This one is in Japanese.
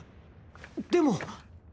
でも。